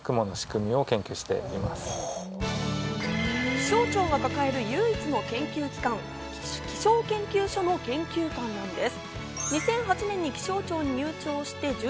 気象庁が抱える唯一の研究機関、気象研究所の研究官なんです。